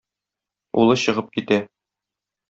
Улы чыгып китә.